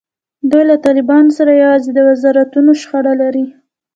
دوی له طالبانو سره یوازې د وزارتونو شخړه لري.